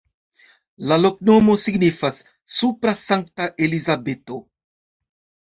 La loknomo signifas: supra-Sankta-Elizabeto.